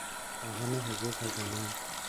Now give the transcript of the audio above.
خواهان حقوق زنان